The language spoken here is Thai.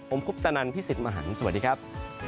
ผมคุปตะนันพี่สิทธิ์มหันฯสวัสดีครับ